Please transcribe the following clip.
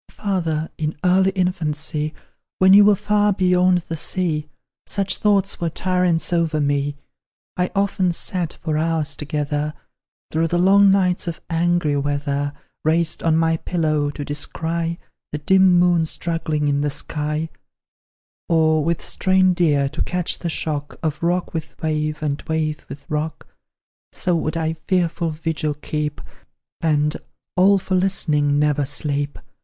"Father, in early infancy, When you were far beyond the sea, Such thoughts were tyrants over me! I often sat, for hours together, Through the long nights of angry weather, Raised on my pillow, to descry The dim moon struggling in the sky; Or, with strained ear, to catch the shock, Of rock with wave, and wave with rock; So would I fearful vigil keep, And, all for listening, never sleep.